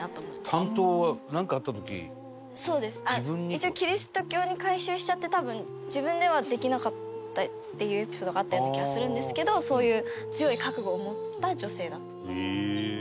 一応キリスト教に改宗しちゃって多分自分ではできなかったっていうエピソードがあったような気がするんですけどそういう。